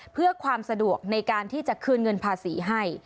เพื่อความสะดวกในการที่จะคืนเงินภาษีให้